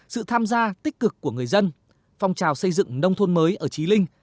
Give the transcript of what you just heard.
sự tham gia tích cực của người dân phong trào xây dựng nông thôn mới ở trí linh